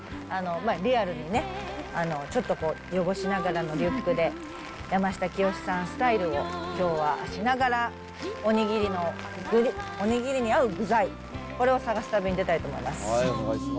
リアルにね、ちょっとこう、汚しながらのリュックで、山下清さんスタイルをきょうはしながら、おにぎりに合う具材、これを探す旅に出たいと思います。